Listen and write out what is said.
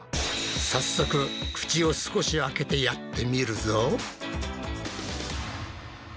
早速口を少し開けてやってみるぞ。